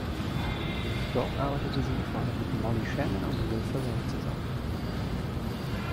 Dort arbeitete sie vor allem mit Molly Shannon und Will Ferrell zusammen.